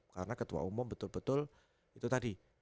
karena ketua umum betul betul itu tadi